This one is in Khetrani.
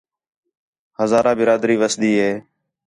ہزارہ برادری وسدی ہِے